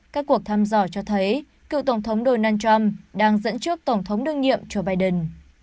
các cuộc thăm dò cho thấy cựu tổng thống donald trump đang dẫn trước tổng thống đương nhiệm joe biden